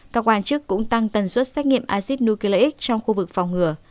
các quan chức cũng tăng tần suất xét nghiệm acid nucleic trong khu vực phòng ngừa